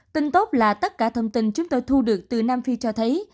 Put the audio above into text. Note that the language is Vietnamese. tin tốt là tất cả thông tin chúng tôi thu được từ nam phi cho thấy